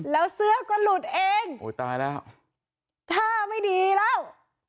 แล้วเสื้อก็หลุดเองโอ้ตายแล้วท่าไม่ดีแล้ว